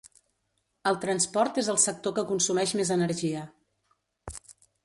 El transport és el sector que consumeix més energia.